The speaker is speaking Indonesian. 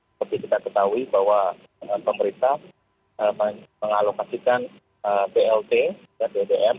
seperti kita ketahui bahwa pemerintah mengalokasikan blt dan bbm